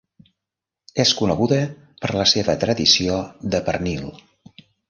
És coneguda per la seva tradició de pernil.